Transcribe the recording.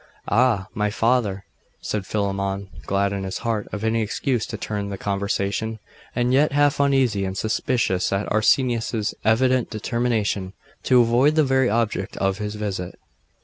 'Ah! my father,' said Philammon, glad in his heart of any excuse to turn the conversation, and yet half uneasy and suspicious at Arsenius's evident determination to avoid the very object of his visit.